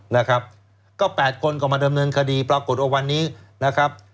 นะครับก็๘คนก็มาดำเนินคดีปรากฏว่าวันนี้นะครับ